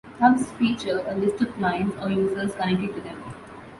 Hubs feature a list of clients or users connected to them.